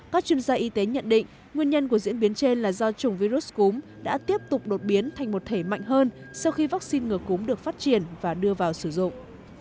các chuyên gia y tế nhận định nguyên nhân của diễn biến trên là do chủng virus cúm đã tiếp tục đột biến thành một thể mạnh hơn sau khi vaccine ngừa cúm được phát triển và đưa vào sử dụng